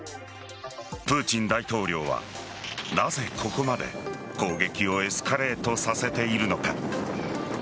プーチン大統領はなぜここまで攻撃をエスカレートさせているのか。